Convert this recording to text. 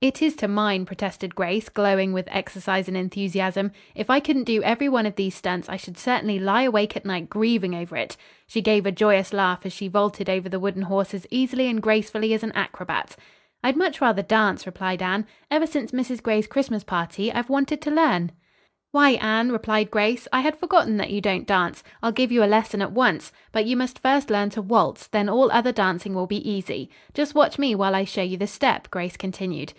"It is to mine," protested Grace, glowing with exercise and enthusiasm. "If I couldn't do every one of these stunts I should certainly lie awake at night grieving over it." She gave a joyous laugh as she vaulted over the wooden horse as easily and gracefully as an acrobat. "I'd much rather dance," replied Anne. "Ever since Mrs. Gray's Christmas party I've wanted to learn." "Why Anne," replied Grace, "I had forgotten that you don't dance. I'll give you a lesson at once. But you must first learn to waltz, then all other dancing will be easy." "Just watch me while I show you the step," Grace continued.